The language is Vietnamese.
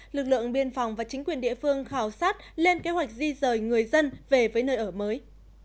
lực lượng biên phòng và chính quyền địa phương khảo sát lên kế hoạch di rời người dân về với nơi ở mới